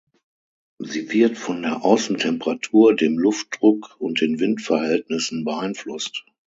Sie wird von der Außentemperatur, dem Luftdruck und den Windverhältnissen beeinflusst.